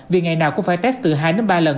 vì ngày nào cũng phải test từ hai đến ba lần